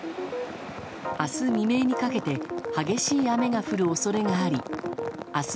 明日未明にかけて激しい雨が降る恐れがあり明日